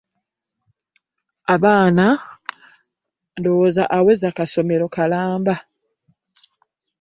Abaana ndowooza aweza kasomero kalamba.